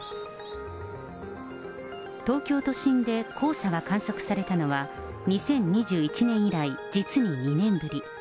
東京都心で黄砂が観測されたのは、２０２１年以来、実に２年ぶり。